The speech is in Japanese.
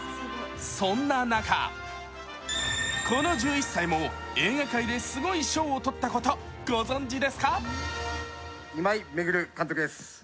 そんな中、この１１歳も映画界ですごい賞を取ったことご存じですか？